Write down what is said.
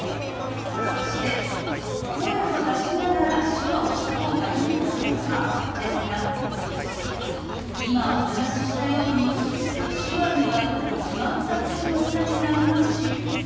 そして声を出しながら手話をした方がいいかどうかですが今お話ししたように手話には決まった口の形がありますし